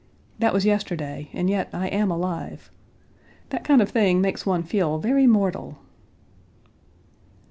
That was yesterday, and yet I am alive. That kind of thing makes one feel very mortal.